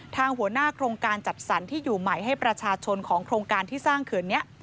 หัวหน้าโครงการจัดสรรที่อยู่ใหม่ให้ประชาชนของโครงการที่สร้างเขื่อนนี้